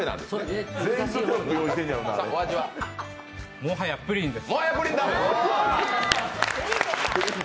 もはやプリンだ！